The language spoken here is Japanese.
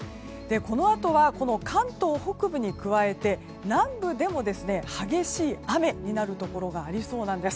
このあとは関東北部に加えて南部でも激しい雨になるところがありそうなんです。